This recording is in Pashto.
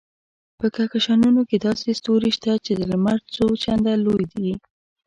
په کهکشانونو کې داسې ستوري شته چې د لمر څو چنده لوی دي.